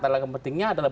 paling pentingnya adalah